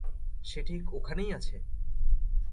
সে ঠিক ওখানেই আছে!